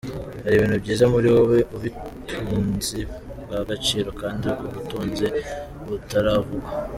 Hari ibintu byiza muri wowe, ubutunzi bw'agaciro kandi ubutunzi butaravugwa.